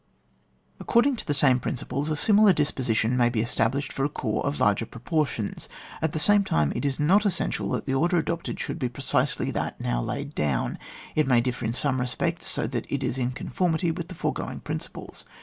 According to the same principles, a similar disposition may be established for a corps of larger proportions : at the same time it is not essential that the order adopted should be precisely that now laid down, it may differ in some respects, so that it is in conformity with the foregoing principles.